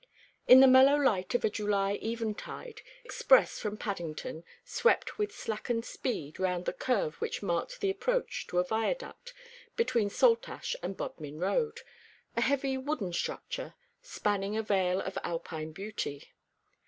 In the mellow light of a July eventide the express from Paddington swept with slackened speed round the curve which marked the approach to a viaduct between Saltash and Bodmin Road a heavy wooden structure, spanning a vale of Alpine beauty.